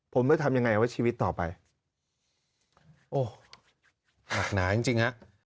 ผมจะทำยังไงไว้ชีวิตต่อไปโอ้หนักหนาจริงจริงฮะ